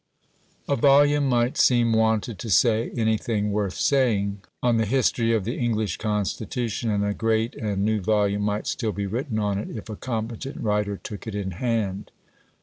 A volume might seem wanted to say anything worth saying on the History of the English Constitution, and a great and new volume might still be written on it, if a competent writer took it in hand.